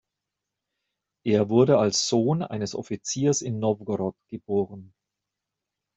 Er wurde als Sohn eines Offiziers in Nowgorod geboren.